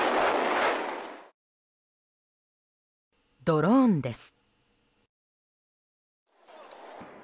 ドローンです。